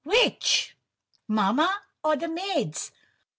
which? mamma, or the maids?"